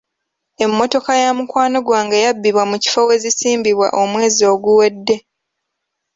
Emmotoka ya mukwano gwange yabbibwa mu kifo we zisimbibwa omwezi oguwedde.